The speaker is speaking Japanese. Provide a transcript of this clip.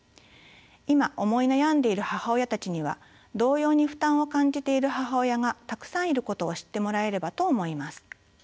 今思い悩んでいる母親たちには同様に負担を感じている母親がたくさんいることを知ってもらえればと思います。